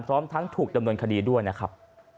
พร้อมทั้งถูกดำเนินคดีด้วยนะครับ